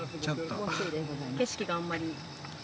景色があんまり。